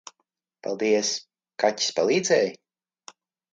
Paldies. Kaķis palīdzēja?